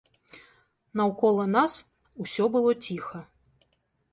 Наўкола нас усё было ціха.